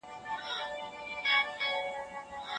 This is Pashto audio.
افغانان د نړیوالي او سمیه ییزي سولي پر وړاندي خنډ نه دي.